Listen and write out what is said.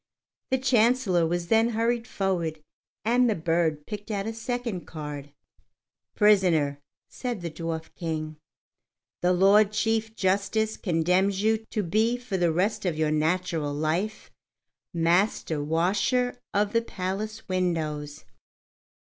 The Chancellor was then hurried forward, and the bird picked out a second card. "Prisoner," said the Dwarf King, "the Lord Chief Justice condemns you to be for the rest of your natural life Master Washer of the Palace Windows."